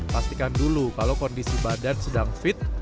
pastikan dulu kalau kondisi badan sedang fit